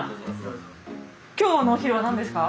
今日のお昼は何ですか？